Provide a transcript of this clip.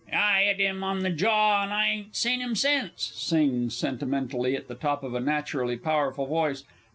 I 'it 'im one on the jaw, and I ain't seen 'im since! (_Sings, sentimentally, at the top of a naturally powerful voice.